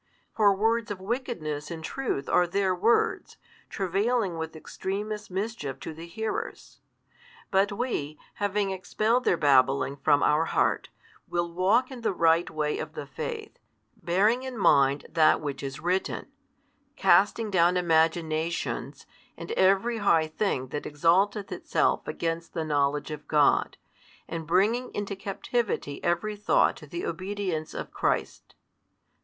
For words of wickedness in truth are their words, travailing with extremest mischief to the hearers. But we, having expelled their babbling from our heart, will walk in the right way of the faith, bearing in mind that which is written: Casting down imaginations, and every high thing that exalteth itself against the knowledge of God, and bringing into captivity every thought to the obedience of Christ.